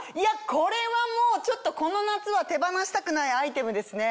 これはもうちょっとこの夏は手放したくないアイテムですね。